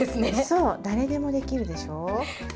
そう、誰でもできるでしょ。